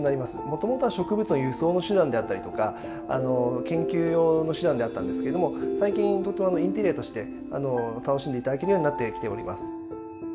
もともとは植物の輸送の手段であったりとか研究用の手段であったんですけれども最近とてもインテリアとして楽しんで頂けるようになってきております。